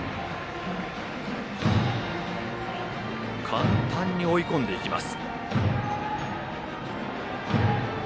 簡単に追い込んでいきます。